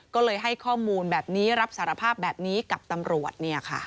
ก็เลยให้ข้อมูลแบบนี้รับสารภาพแบบนี้กับตำรวจ